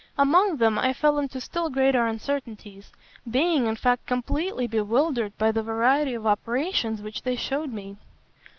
Among them I fell into still greater uncertainties; being, in fact, completely bewildered by the variety of operations which they shewed me.